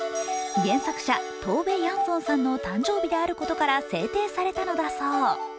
原作者トーベ・ヤンソンさんの誕生日であることから制定されたのだそう。